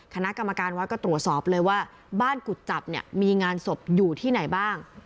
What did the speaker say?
คณะกรรมการวัดก็ตรวจสอบเลยว่าบ้านกุจจับเนี่ยมีงานศพอยู่ที่ไหนบ้าง